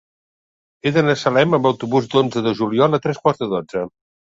He d'anar a Salem amb autobús l'onze de juliol a tres quarts de dotze.